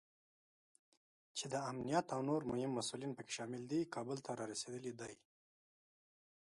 چې د امنیت او نور مهم مسوولین پکې شامل دي، کابل ته رارسېدلی دی